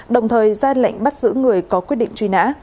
đồng thời ra lệnh bắt giữ người có quyết định truy nã